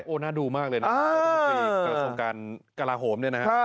โอ้น่าดูมากเลยนะรัฐมนตรีกระทรวงการกราโหม